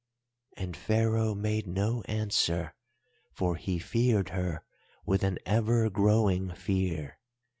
"And Pharaoh made no answer, for he feared her with an ever growing fear.